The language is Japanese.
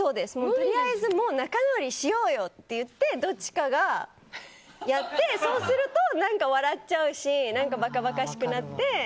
とりあえず仲直りしようよってどっちかがやって、そうすると笑っちゃうしばかばかしくなって。